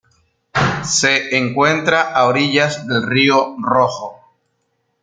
Se encuentra a orillas del río Rojo.